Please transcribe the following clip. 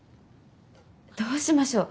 どうしましょう？